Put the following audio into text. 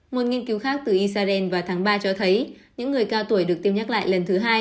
một nghiên cứu khác từ israel vào tháng ba cho thấy những người cao tuổi được tiêm nhắc lại lần thứ hai